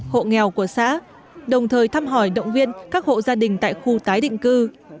hộ nghèo của xã đồng thời thăm hỏi động viên các hộ gia đình tại khu tái định cư